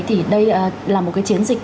thì đây là một cái chiến dịch